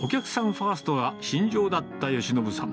ファーストが信条だった義信さん。